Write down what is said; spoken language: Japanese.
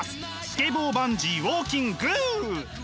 スケボーバンジーウォーキング！